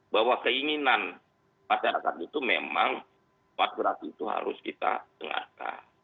bahwa keinginan masyarakat itu memang kuat berat itu harus kita dengarkan